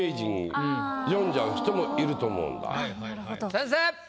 先生！